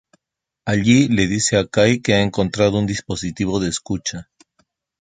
Ally le dice a Kai que ha encontrado un dispositivo de escucha.